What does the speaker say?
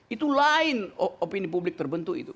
itu lain opini publik terbentuk itu